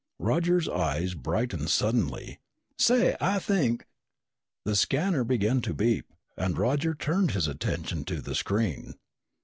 Roger's eyes brightened suddenly. "Say, I think " The scanner began to beep and Roger turned his attention to the screen.